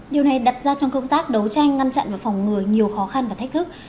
điều này đặt ra trong công tác đấu tranh ngăn chặn và phòng ngừa nhiều khó khăn và thách thức